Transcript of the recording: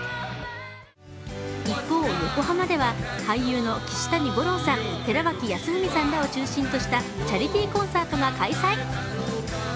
一方、横浜では、俳優の岸谷五朗さん、寺脇康文さんらを中心としたチャリティーコンサートが開催。